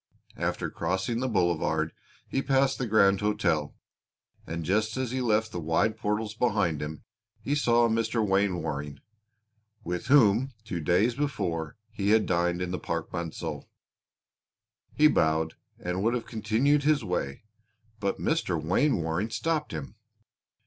After crossing the boulevard he passed the Grand Hôtel and just as he left the wide portals behind him he saw Mr. Wainwaring with whom two days before he had dined in the Parc Monceau. He bowed and would have continued his way, but Mr. Wainwaring stopped him.